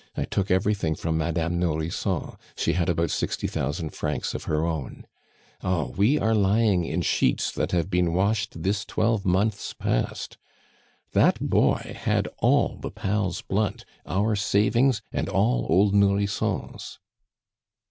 I took everything from Madame Nourrisson; she had about sixty thousand francs of her own. Oh! we are lying in sheets that have been washed this twelve months past. That boy had all the pals' blunt, our savings, and all old Nourrisson's."